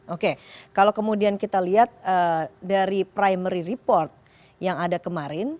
oke kalau kemudian kita lihat dari primary report yang ada kemarin